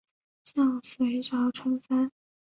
向隋朝称藩。